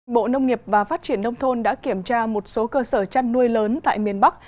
bộ nông nghiệp và phát triển nông thôn đã kiểm tra một số cơ sở chăn nuôi lớn tại miền bắc